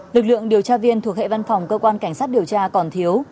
lực lượng điều tra viên thuộc hệ văn phòng cơ quan cảnh sát điều tra còn thiếu